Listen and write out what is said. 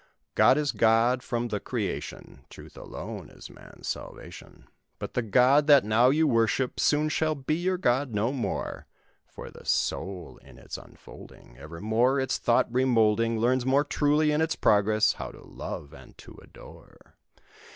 "God is God from the creation; Truth, alone, is man's salvation: But the God that now you worship soon shall be your God no more; For the soul, in its unfolding, Evermore its thought remoulding, Learns more truly, in its progress, 'how to love and to adore!